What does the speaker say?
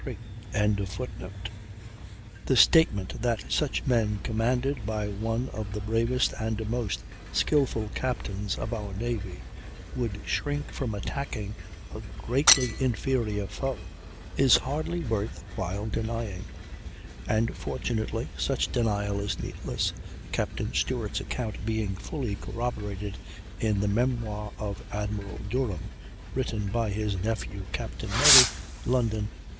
] The statement that such men, commanded by one of the bravest and most skilful captains of our navy, would shrink from attacking a greatly inferior foe, is hardly worth while denying; and, fortunately, such denial is needless, Captain Stewart's account being fully corroborated in the "Memoir of Admiral Durham," written by his nephew, Captain Murray, London, 1846.